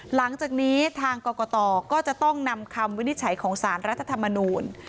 หลังจากนี้ทางกรกตก็จะต้องนำคำวินิจฉัยของสารรัฐธรรมนูล